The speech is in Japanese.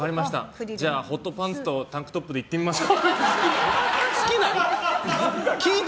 じゃあ、ホットパンツとタンクトップでいってみましょう。